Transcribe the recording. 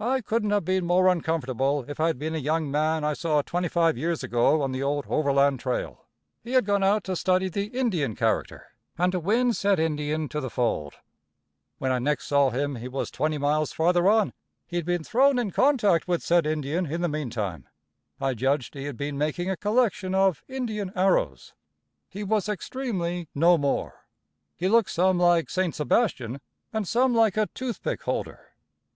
I couldn't have been more uncomfortable if I'd been a young man I saw twenty five years ago on the old overland trail. He had gone out to study the Indian character, and to win said Indian to the fold. When I next saw him he was twenty miles farther on. He had been thrown in contact with said Indian in the meantime. I judged he had been making a collection of Indian arrows. He was extremely no more. He looked some like Saint Sebastian, and some like a toothpick holder.